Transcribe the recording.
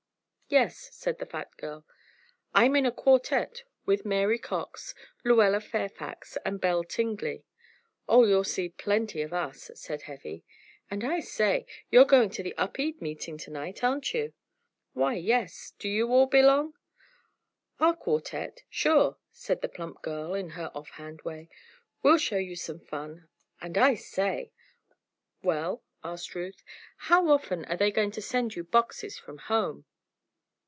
"Yes," said the fat girl. "I'm in a quartette with Mary Cox, Lluella Fairfax and Belle Tingley. Oh, you'll see plenty of us," said Heavy. "And I say! you're going to the Upede meeting to night; aren't you?" "Why yes. Do you all belong?" "Our quartette? Sure," said the plump girl in her off hand way. "We'll show you some fun. And I say!" "Well?" asked Ruth. "How often are they going to send you boxes from home?"